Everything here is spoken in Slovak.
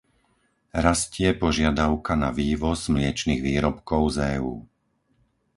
Rastie požiadavka na vývoz mliečnych výrobkov z EÚ.